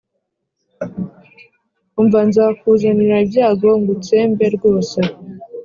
‘Umva nzakuzanira ibyago ngutsembe rwose